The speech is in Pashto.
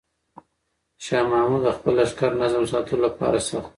شاه محمود د خپل لښکر نظم ساتلو لپاره سخت و.